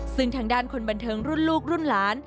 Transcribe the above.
ซึ่งทางด้านคนบันเทิงรุ่นลูกรุ่นหลาน